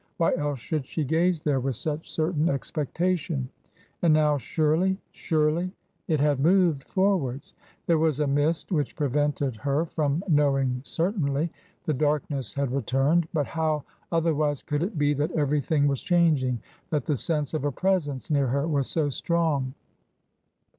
Why else should she gaze there with such certain expectation ? And now surely — surely — it had moved forwards. There was a mist which prevented her from knowing certainly; the darkness had returned. But how otherwise could it be that everything was changing, that the sense of a presence near her was so strong